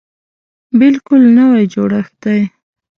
بلکل نوی جوړښت دی.